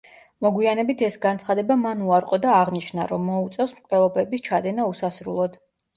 მოგვიანებით ეს განცხადება მან უარყო და აღნიშნა, რომ მოუწევს მკვლელობების ჩადენა უსასრულოდ.